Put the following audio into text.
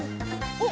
おっ！